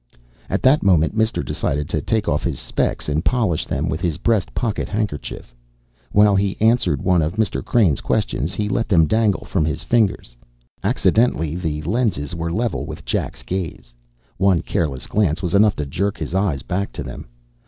At that moment Mister decided to take off his specs and polish them with his breast pocket handkerchief. While he answered one of Mr. Crane's questions, he let them dangle from his fingers. Accidentally, the lenses were level with Jack's gaze. One careless glance was enough to jerk his eyes back to them.